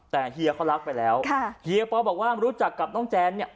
แต่เฮียเขารักไปแล้วเฮียปอบอกว่ารู้จักกับน้องแจนเนี่ย